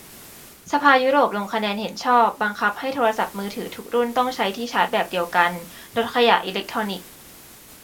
สภายุโรปลงคะแนนเห็นชอบ บังคับให้โทรศัพท์มือถือทุกรุ่นต้องใช้ที่ชาร์จแบบเดียวกัน ลดขยะอิเล็กทรอนิกส์